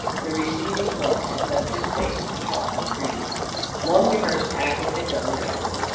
The receding blood had left his face a chalky green. Long rehearsed acting had done the rest.